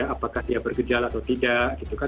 apakah dia bergejala atau tidak gitu kan